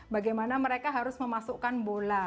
bagaimana mereka harus memasukkan bola